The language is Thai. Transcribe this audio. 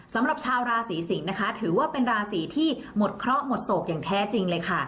สำหรับชาวราศีสิงศ์นะคะถือว่าเป็นราศีที่หมดเคราะห์หมดโศกอย่างแท้จริงเลยค่ะ